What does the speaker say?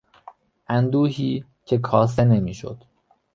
اندوهی که کاسته نمیشد